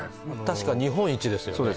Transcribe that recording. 確か日本一ですよね